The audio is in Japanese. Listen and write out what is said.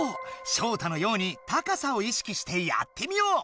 ショウタのように高さを意識してやってみよう！